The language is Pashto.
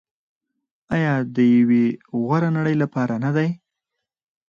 آیا د یوې غوره نړۍ لپاره نه دی؟